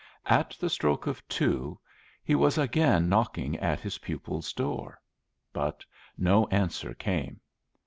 At the stroke of two he was again knocking at his pupils' door. But no answer came.